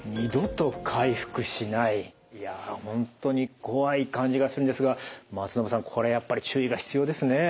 いや本当に怖い感じがするんですが松延さんこれやっぱり注意が必要ですね。